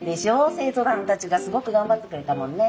生徒さんたちがすごく頑張ってくれたもんね。